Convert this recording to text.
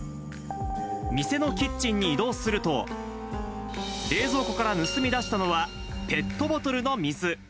店のキッチンに移動すると、冷蔵庫から盗み出したのは、ペットボトルの水。